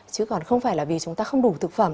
chứ còn không phải là vì chúng ta không đủ thực phẩm